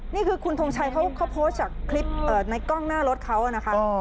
นี่คือคุณทงชัยเขาโพสต์จากคลิปในกล้องหน้ารถเขานะคะ